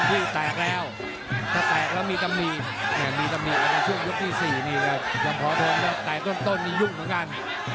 ถ้าแตกแล้วมีธรรมดีมีธรรมดีในช่วงยุคที่๔นี่แตกต้นต้นมียุ่งเหมือนกัน